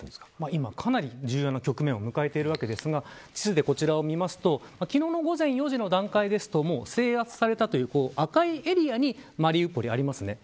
今、かなり重要な局面を迎えているわけですが地図で、こちらを見ますと昨日の午前４時の段階だと制圧された赤いエリアにマリウポリはあります。